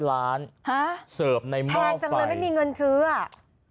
ล้านฮะเซิร์ชในไม่มีเงินซื้ออ่ะ